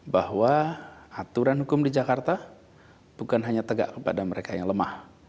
bahwa aturan hukum di jakarta bukan hanya tegak kepada mereka yang lemah